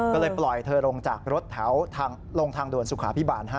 ก็เลยปล่อยเธอลงจากรถแถวลงทางด่วนสุขาพิบาล๕